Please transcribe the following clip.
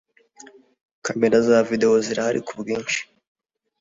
kamera za videwo zirahari kubwinshi